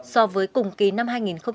so với cùng kỳ năm hai nghìn một mươi tám